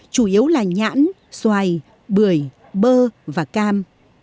chủ yếu là nhãn xoài bưởi bơ và cam